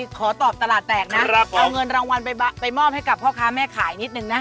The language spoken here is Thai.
ขอตอบตลาดแตกนะเอาเงินรางวัลไปมอบให้กับพ่อค้าแม่ขายนิดนึงนะ